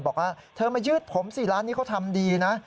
บอกว่าเธอมายืดผมสิร้านนี้เขาทำดีนะ